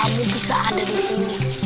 kamu bisa ada disini